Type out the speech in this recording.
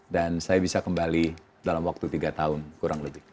dan saya bisa kembali dalam waktu tiga tahun kurang lebih